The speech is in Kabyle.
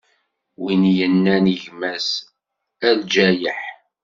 Win yennan i gma-s: A lǧayeḥ!